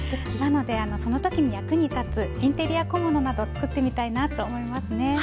なのでその時に役に立つインテリア小物など作ってみたいなと思いますね。